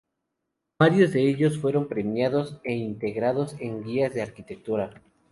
Varios de ellos fueron premiados e integrados en guías de arquitectura.